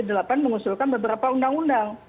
dan kemudian mengusulkan beberapa undang undang